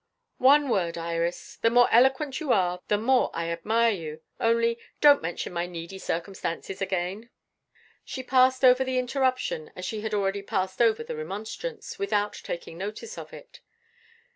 "One word, Iris. The more eloquent you are, the more I admire you. Only, don't mention my needy circumstances again." She passed over the interruption as she had already passed over the remonstrance, without taking notice of it.